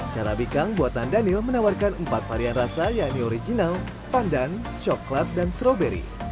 carabica buatan daniel menawarkan empat varian rasa yaitu original pandan coklat dan stroberi